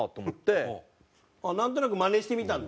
なんとなくマネしてみたんだ？